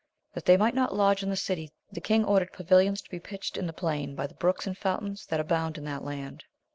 That they might not lodge in the city, the king ordered pavilions to be pitched in the plain by the brooks and fountains that abound in that land.